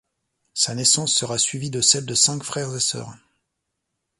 Sa naissance sera suivie de celle de cinq frères et sœurs.